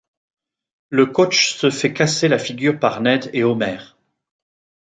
Le coach se fait casser la figure par Ned et Homer.